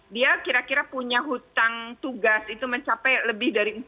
dia kira kira punya hutang tugas itu mencapai lebih dari empat puluh